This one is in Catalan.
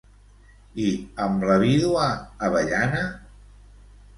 I amb la vídua Avellana?